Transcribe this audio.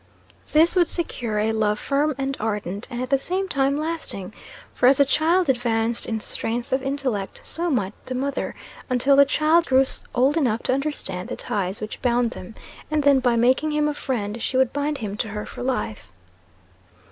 This would secure a love firm and ardent, and at the same time lasting; for as a child advanced in strength of intellect, so might the mother, until the child grew old enough to understand the ties which bound them; and then, by making him a friend, she would bind him to her for life.